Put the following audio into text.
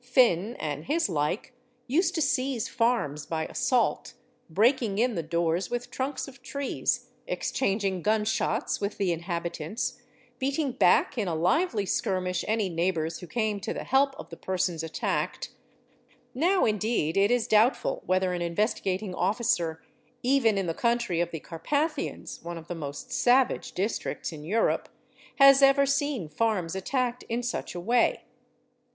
Phin and his like used : to seize farms by assault, breaking in the doors with trunks of trees, eX | changing gun shots with the inhabitants, beating back in a lively skirmish any neighbours who came to the help of the persons attacked ; now im deed it is doubtful whether an Investigating Officer even in the country of ; the Carpathians—one of the most savage districts in Hurope—has ever | seen farms attacked in such a way.